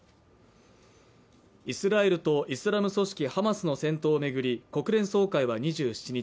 イスラエルとイスラム組織ハマスの戦闘をめぐり国連総会は２７日